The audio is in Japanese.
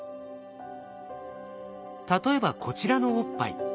例えばこちらのおっぱい。